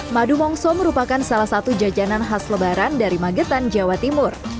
madu mongso merupakan salah satu jajanan khas lebaran dari magetan jawa timur